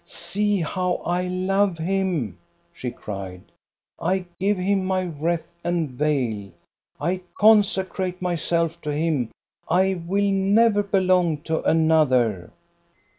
'* See how I love him !" she cried. " I give him my wreath and veil. I consecrate myself to him. I will never belong to another."